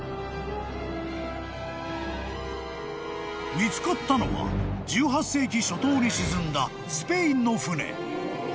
［見つかったのは１８世紀初頭に沈んだスペインの船］